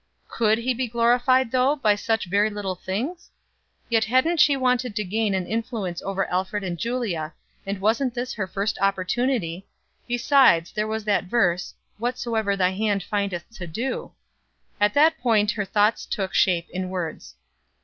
Could He be glorified, though, by such very little things? Yet hadn't she wanted to gain an influence over Alfred and Julia, and wasn't this her first opportunity; besides there was that verse: "Whatsoever thy hand findeth to do ." At that point her thoughts took shape in words.